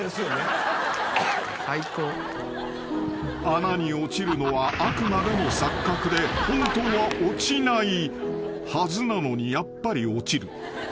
［穴に落ちるのはあくまでも錯覚で本当は落ちないはずなのにやっぱり落ちる］